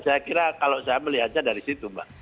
saya kira kalau saya melihatnya dari situ mbak